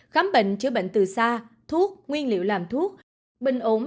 khám bệnh chữa bệnh từ xa thuốc nguyên liệu làm thuốc bệnh ổn